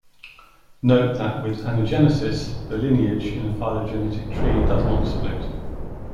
Note that with anagenesis the lineage in a phylogenetic tree does not split.